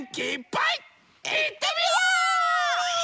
いってみよう！